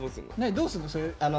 どうすんの？